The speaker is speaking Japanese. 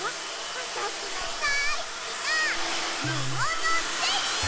あたしのだいすきなもものゼリー！